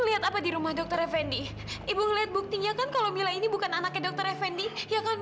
sampai jumpa di video selanjutnya